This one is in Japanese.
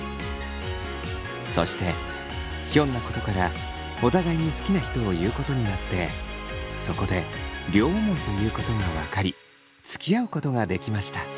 そしてひょんなことからお互いに好きな人を言うことになってそこで両思いということが分かりつきあうことができました。